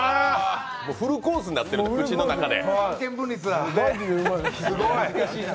もうフルコースになってる、口の中で。